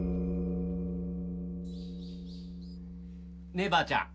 ねえばあちゃん。